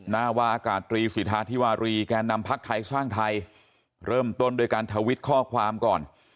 นาวาอากาศตรีสิทธาธิวารีแก่นำพักไทยสร้างไทยเริ่มต้นด้วยการทวิตข้อความก่อน